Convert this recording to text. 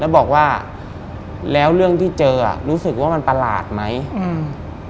แล้วบอกว่าแล้วเรื่องที่เจออ่ะรู้สึกว่ามันประหลาดไหมอืม